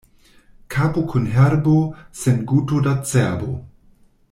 Kapo kun herbo, sen guto da cerbo.